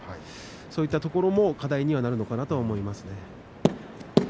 そういったところも課題にはなるのかなと思いますね。